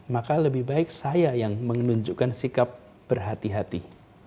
maka lebih baik saya yang menunjukkan sikap berhati hati